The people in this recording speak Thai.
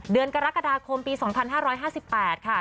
เดือนกรกฎาคมปี๒๕๕๘ค่ะ